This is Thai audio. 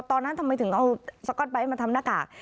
ทำไมถึงเอาสก๊อตไบท์มาทำหน้ากาก